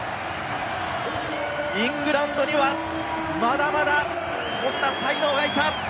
イングランドには、まだまだこんな才能がいた！